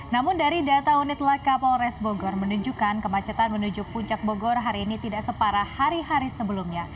namun dari data unit laka polres bogor menunjukkan kemacetan menuju puncak bogor hari ini tidak separah hari hari sebelumnya